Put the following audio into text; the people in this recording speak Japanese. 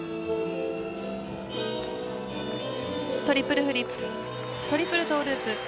トリプルフリップトリプルトーループ。